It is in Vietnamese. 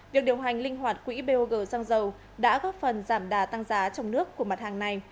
việc điều hành linh hoạt quỹ bog xăng dầu đã góp phần giảm đà tăng giá trong nước của mặt hàng này